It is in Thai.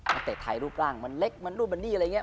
ประเทศไทยรูปร่างมันเล็กมันรูปนี่อะไรอย่างนี้